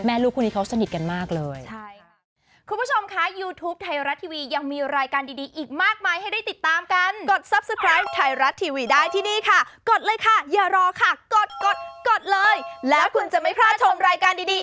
ลูกคู่นี้เขาสนิทกันมากเลย